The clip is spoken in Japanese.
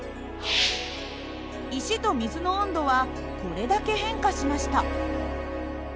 石と水の温度はこれだけ変化しました。